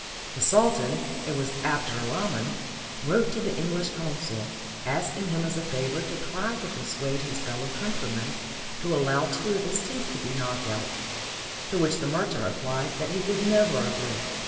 The Sultan — it was Abd er Rahman — wrote to the English consul, asking him as a favor to try to persuade his fellow countryman to allow two of his teeth to be knocked out, to which the mer chant replied that he would never agree.